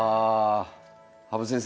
羽生先生